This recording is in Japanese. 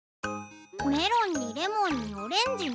メロンにレモンにオレンジね。